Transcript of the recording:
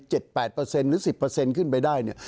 หรือ๑๐ขึ้นไปได้เนี่ย